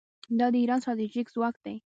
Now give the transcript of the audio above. دا د ایران ستراتیژیک ځواک دی.